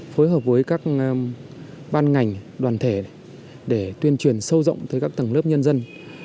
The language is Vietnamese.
phối hợp với các ban ngành đoàn thể để tuyên truyền sâu rộng tới các tầng lớp nhân dân